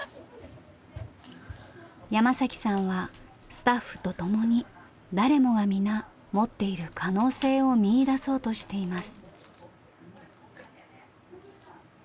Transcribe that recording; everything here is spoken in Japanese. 山さんはスタッフと共に誰もが皆持っている可能性を見いだそうとしています。